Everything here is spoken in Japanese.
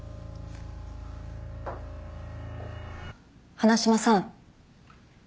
花島さん。